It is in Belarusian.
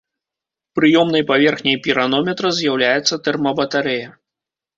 Прыёмнай паверхняй піранометра з'яўляецца тэрмабатарэя.